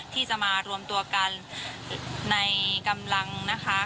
ที่จะมารวมตัวกันในกำลังนะคะ